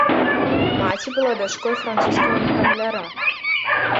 Маці была дачкой французскага гандляра.